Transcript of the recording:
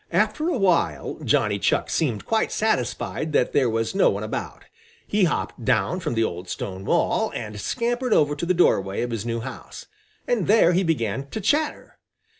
After a while Johnny Chuck seemed quite satisfied that there was no one about. He hopped down from the old stone wall and scampered over to the doorway of his new house, and there he began to chatter.